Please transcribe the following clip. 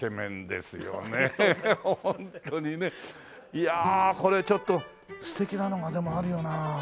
いやあこれちょっと素敵なのがでもあるよな。